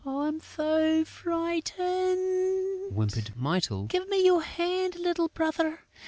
"I'm so frightened!" whimpered Mytyl. "Give me your hand, little brother!